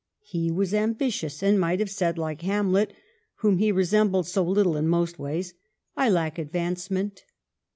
He was ambitious and might have said, like Hamlet, whom he resem bled so little in most ways, " I lack advancement."